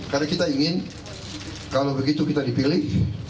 karena kita ingin kalau begitu kita dipilih